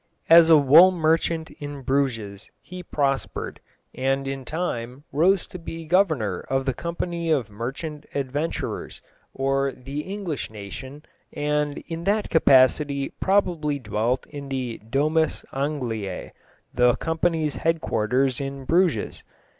As a wool merchant in Bruges he prospered, and in time rose to be Governor of the Company of Merchant Adventurers, or "The English Nation," and in that capacity probably dwelt at the Domus Angliæ, the Company's headquarters in Bruges.